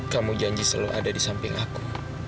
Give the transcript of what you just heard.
kamu janji selalu ada di samping aku